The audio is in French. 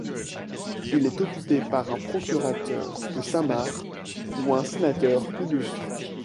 Il est occupé par un procurateur de Saint-Marc ou un sénateur illustre.